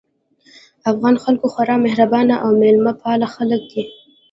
افغان خلک خورا مهربان او مېلمه پال خلک دي